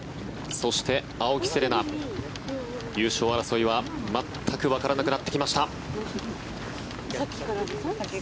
そして、青木瀬令奈優勝争いは全くわからなくなってきました。